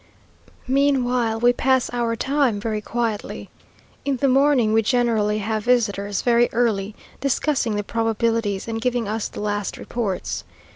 Meanwhile, we pass our time very quietly. In the morning we generally have visitors very early, discussing the probabilities, and giving us the last reports.